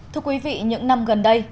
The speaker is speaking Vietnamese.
thưa quý vị những năm gần đây